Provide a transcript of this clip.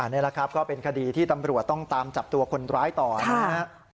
นี่แหละครับก็เป็นคดีที่ตำรวจต้องตามจับตัวคนร้ายต่อนะครับ